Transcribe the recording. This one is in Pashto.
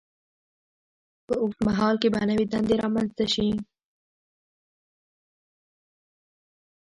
په اوږد مهال کې به نوې دندې رامینځته شي.